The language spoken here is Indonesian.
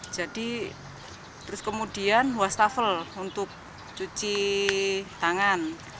jadi terus kemudian wastafel untuk cuci tangan